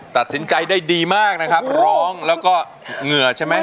ตัดสินใจได้ดีมากนะครับร้องแล้วก็เหงื่อใช่ไหม